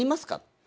って。